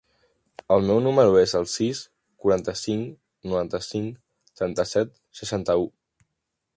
El meu número es el sis, quaranta-cinc, noranta-cinc, trenta-set, seixanta-u.